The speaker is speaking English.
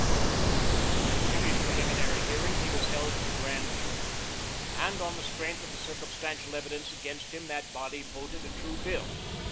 At Jimmy's preliminary hearing he was held to the grand jury, and on the strength of the circumstantial evidence against him that body voted a true bill.